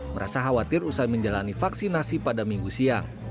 merasa khawatir usai menjalani vaksinasi pada minggu siang